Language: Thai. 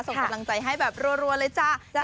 ส่งกำลังใจให้แบบรัวเลยจ้า